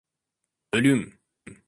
Bölüm